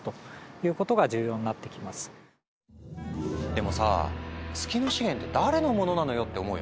でもさ「月の資源って誰のものなのよ」って思うよね。